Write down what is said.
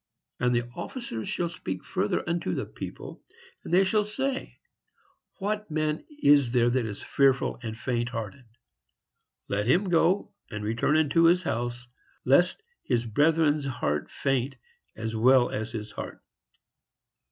And the officers shall speak further unto the people, and they shall say, "What man is there that is fearful and faint hearted? Let him go and return unto his house, lest his brethren's heart faint, as well as his heart."